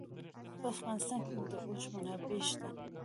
په افغانستان کې د اوښ منابع شته.